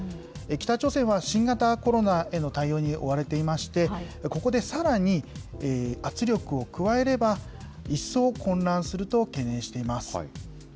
北朝鮮は新型コロナへの対応に追われていまして、ここでさらに圧力を加えれば、一層混乱すると懸念しています。